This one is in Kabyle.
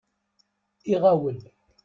Iɣawel.